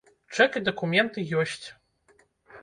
Чэк і дакументы ёсць.